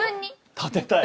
立てたい？